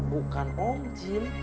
bukan om jin